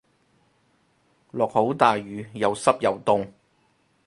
落好大雨又濕又凍